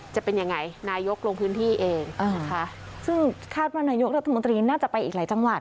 จะเป็นยังไงนายกลงพื้นที่เองนะคะซึ่งคาดว่านายกรัฐมนตรีน่าจะไปอีกหลายจังหวัด